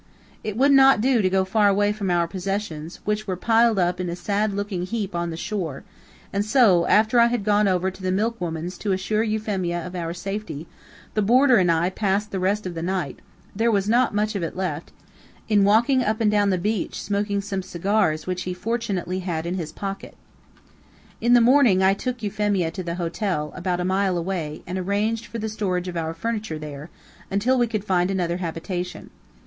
It would not do to go far away from our possessions, which were piled up in a sad looking heap on the shore; and so, after I had gone over to the milk woman's to assure Euphemia of our safety, the boarder and I passed the rest of the night there was not much of it left in walking up and down the beach smoking some cigars which he fortunately had in his pocket. In the morning I took Euphemia to the hotel, about a mile away and arranged for the storage of our furniture there, until we could find another habitation.